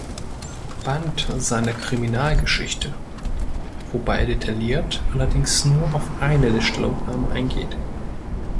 Band seiner "Kriminalgeschichte", wobei er detailliert allerdings nur auf eine der Stellungnahmen eingeht.